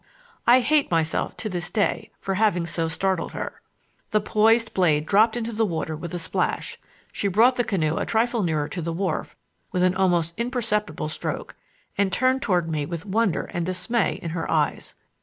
I hate myself to this day for having so startled her. The poised blade dropped into the water with a splash; she brought the canoe a trifle nearer to the wharf with an almost imperceptible stroke, and turned toward me with wonder and dismay in her eyes.